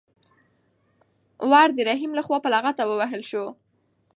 ور د رحیم لخوا په لغته ووهل شو.